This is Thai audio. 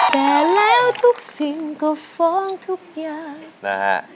แต่แล้วทุกสิ่งก็ฟ้องทุกอย่างนะฮะ